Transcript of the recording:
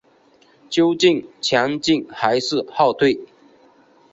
究竟前进还是后退？